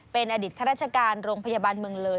เป็นอดีตข้าราชการโรงพยาบาลเมืองเลย